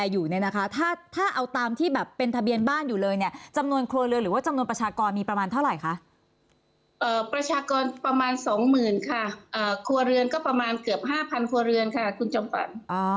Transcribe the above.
อยู่นี่นะคะถ้าถ้าเอาตามที่แบบเป็นทะเบียนบ้านอยู่เลยเนี่ยจำนวนครัวเรือนหรือว่าจำนวนประชากรมีประมาณเท่าไรคะเอ่อประชากรประมาณสองหมื่นค่ะอ่าครัวเรือนก็ประมาณเกือบห้าพันครัวเรือนค่ะคุณจำปันอ๋อ